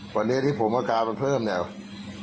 วันนี้ที่ผมอาการมันเพิ่มเนี่ย